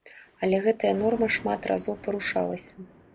Але гэтая норма шмат разоў парушалася.